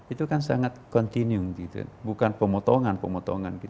itu kan sangat continue bukan pemotongan pemotongan